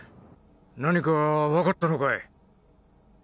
何かわかったのかい？